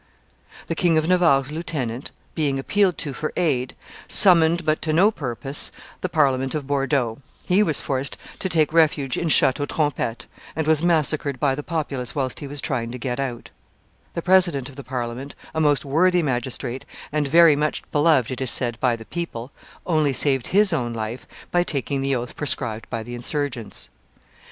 The King of Navarre's lieutenant, being appealed to for aid, summoned, but to no purpose, the Parliament of Bordeaux; he was forced to take refuge in Chateau Trompette, and was massacred by the populace whilst he was trying to get out; the president of the Parliament, a most worthy magistrate, and very much beloved, it is said, by the people, only saved his own life by taking the oath prescribed by the insurgents.